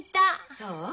そう？